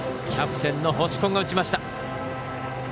キャプテンの星子が打ちました。